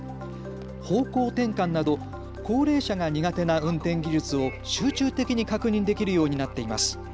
方向転換など高齢者が苦手な運転技術を集中的に確認できるようになっています。